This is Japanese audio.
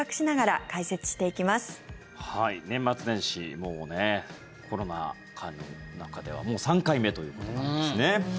もうコロナ禍の中ではもう３回目ということですね。